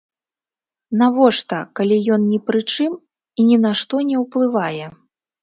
Навошта, калі ён ні пры чым і ні на што не ўплывае?